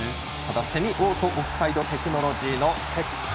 セミオートオフサイドテクノロジーの結果